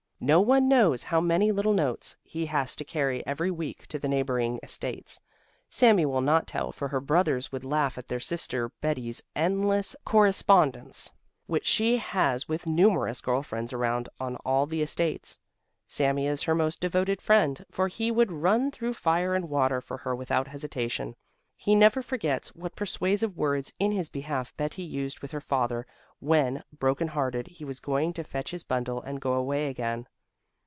No one knows how many little notes he has to carry every week to the neighbouring estates. Sami will not tell, for her brothers would laugh at their sister Betti's endless correspondence which she has with numerous girl friends around on all the estates. Sami is her most devoted friend, for he would run through fire and water for her without hesitation. He never forgets what persuasive words in his behalf Betti used with her father, when, broken hearted, he was going to fetch his bundle and go away again.